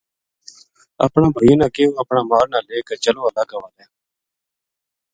اپنا بھائیاں نا کہیو اپنا مال نا لے کے چلوں اللہ کے حوالے